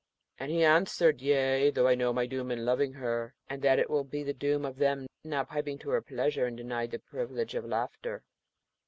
And he answered, 'Yea, though I know my doom in loving her; and that it will be the doom of them now piping to her pleasure and denied the privilege of laughter.'